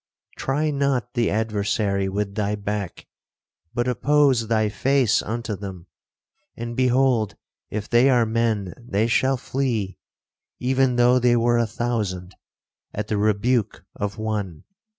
Try not the adversary with thy back, but oppose thy face unto them; and behold, if they are men, they shall flee, even though they were a thousand, at the rebuke of one.